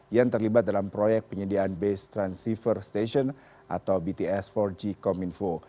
yang terlibat dalam proyek penyediaan base transceiver station atau bts empat g kominfo